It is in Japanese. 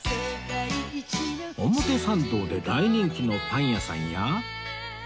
表参道で大人気のパン屋さんや